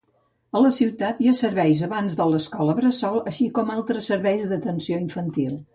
A la ciutat hi ha serveis abans de l'escola bressol, així com altres serveis d'atenció infantil.